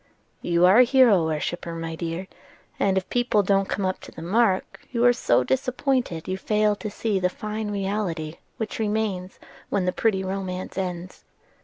"You are a hero worshipper, my dear; and if people don't come up to the mark you are so disappointed that you fail to see the fine reality which remains when the pretty romance ends.